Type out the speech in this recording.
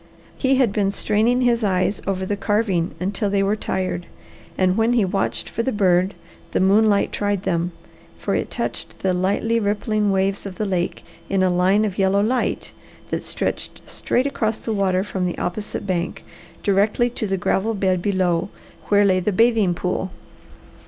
He had been straining his eyes over the carving until they were tired, and when he watched for the bird the moonlight tried them; for it touched the lightly rippling waves of the lake in a line of yellow light that stretched straight across the water from the opposite bank, directly to the gravel bed below, where lay the bathing pool.